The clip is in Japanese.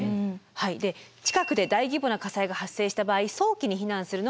はい近くで大規模な火災が発生した場合早期に避難するのが大切です。